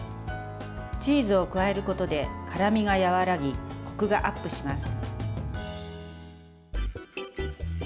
チーズを加えることで辛みが和らぎこくがアップします。